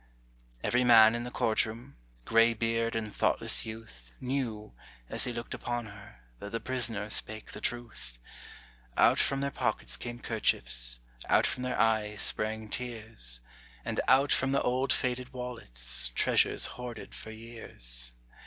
Every man in the court room Graybeard and thoughtless youth Knew, as he looked upon her, That the prisoner spake the truth. Out from their pockets came kerchiefs, Out from their eyes sprang tears, And out from the old faded wallets Treasures hoarded for years.